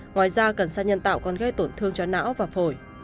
ngoài ra cần sa nhân tạo còn gây tổn thương cho não và phổi